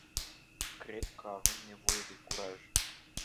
Cred că avem nevoie de curaj.